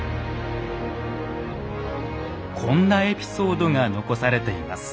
こんなエピソードが残されています。